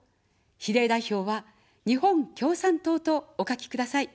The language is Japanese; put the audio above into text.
比例代表は、日本共産党とお書きください。